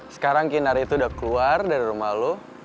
sekarang kinari itu udah keluar dari rumah lo